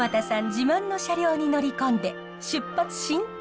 自慢の車両に乗り込んで出発進行！